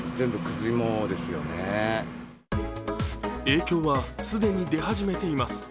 影響は既に出始めています。